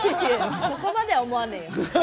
そこまでは思わねえよ。